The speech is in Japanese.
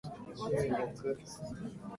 あー。